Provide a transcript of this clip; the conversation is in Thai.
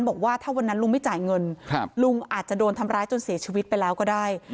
บอกว่าถ้าวันนั้นลุงไม่จ่ายเงินลุงอาจจะโดนทำร้ายจนเสียชีวิตไปแล้วก็ได้